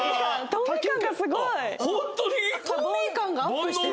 透明感がアップしてる。